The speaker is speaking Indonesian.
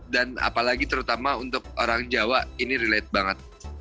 dan apalagi terutama untuk orang jawa ini relate banget